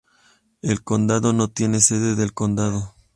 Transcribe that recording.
El condado no tiene sede del condado.